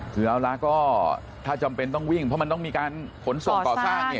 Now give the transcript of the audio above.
คือเอาละก็ถ้าจำเป็นต้องวิ่งเพราะมันต้องมีการขนส่งก่อสร้าง